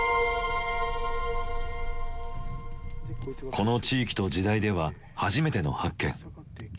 この地域と時代では初めての発見。